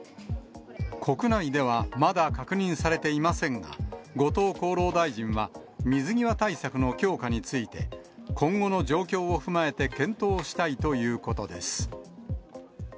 国内では、まだ確認されていませんが、後藤厚労大臣は、水際対策の強化について、今後の状況を踏まえて検討したいということです。